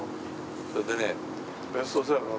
それでね。